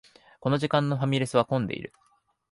この時間のファミレスは混んでいる